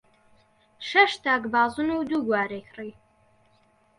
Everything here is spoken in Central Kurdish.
شەش تاک بازن و دوو گوارەی کڕی.